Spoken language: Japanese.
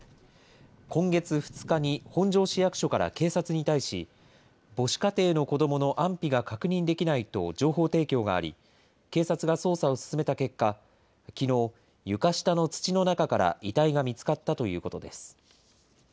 今月２日に本庄市役所から警察に対し、母子家庭の子どもの安否が確認できないと情報提供があり、警察が捜査を進めた結果、きのう、床下の土の中から遺体が見つかったということです。